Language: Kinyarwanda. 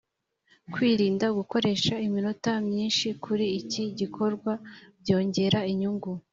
kwirinda gukoresha iminota myinshi kuri iki gikorwa byongera inyungu.